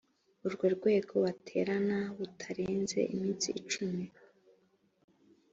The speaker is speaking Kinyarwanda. urwo rwego baterana bitarenze iminsi cumi